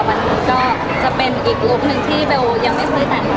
วันนี้ก็จะเป็นอีกลูปหนึ่งที่เบลยังไม่เคยแสดงก่อน